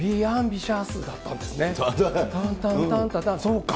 そうか。